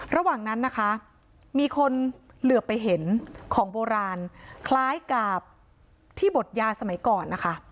ระหว่างนั้นนะคะมีคนเหลือไปเห็นของโบราณคล้ายกับที่บดยาสมัยก่อนนะคะ